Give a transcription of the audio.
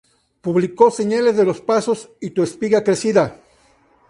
Publicó "Señales de los pasos" y "Tú espiga crecida.